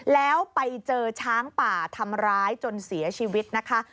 แล้วไปเจอช้างป่าทำร้ายจนเสียชีวิตนะคะ